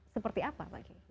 seperti apa pak kiai